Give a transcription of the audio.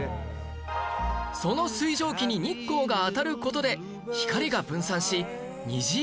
その水蒸気に日光が当たる事で光が分散し虹色に染まるんです